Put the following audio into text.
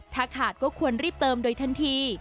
ถ้าขาดก็ควรรีบเติมโดยทันที